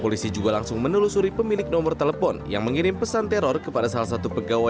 polisi juga langsung menelusuri pemilik nomor telepon yang mengirim pesan teror kepada salah satu pegawai